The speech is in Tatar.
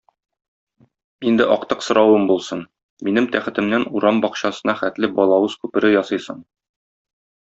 Инде актык соравым булсын: минем тәхетемнән урам бакчасына хәтле балавыз күпере ясыйсың.